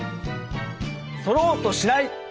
そろうとしない！